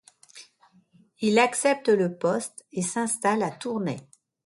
Il accepte le poste et s’installe à Tournai.